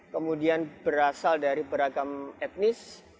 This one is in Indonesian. kemudian berasal dari beragam etnis